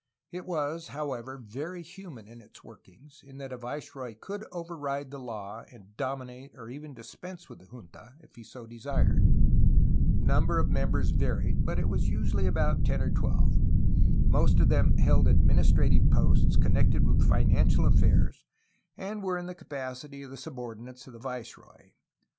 It was, however, very human in its workings, in that a viceroy could override the law and dominate or even dispense with the junta, if he so desired. The number of members varisd, but was usually about ten or twelve. Most of them held adminis trative posts connected with financial affairs and were in this capacity the subordinates of the viceroy.